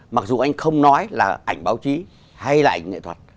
mặc dù anh không nói là ảnh báo chí hay là ảnh nghệ thuật